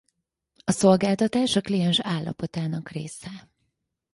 A szolgáltatás a kliens állapotának része.